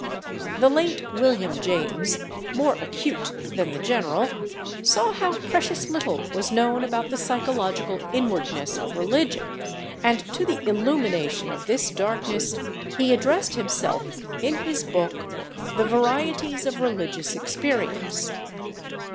The late William James, more acute than the general, saw how precious little was known about the psychological inwardness of religion, and to the illumination of this darkness he addressed himself in his book, "The Varieties of Religious Experience."